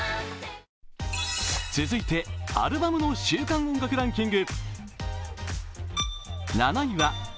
続いてアルバムの週間音楽ランキング。